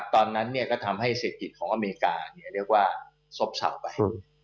ตอนนั้นก็ทำให้เศรษฐกิจของอเมริกาสบเส่าไป